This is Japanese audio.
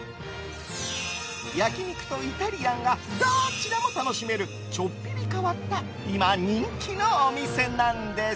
焼き肉とイタリアンがどちらも楽しめるちょっぴり変わった今、人気のお店。